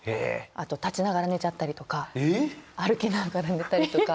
あと立ちながら寝ちゃったりとか歩きながら寝たりとか。